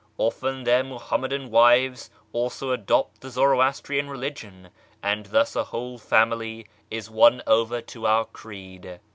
Often their Muham madan wives also adopt the Zoroastrian religion, and thus a whole family is won over to our creed."